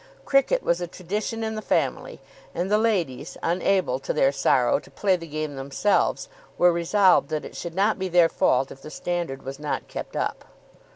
Cricket was a tradition in the family, and the ladies, unable to their sorrow to play the game themselves, were resolved that it should not be their fault if the standard was not kept up.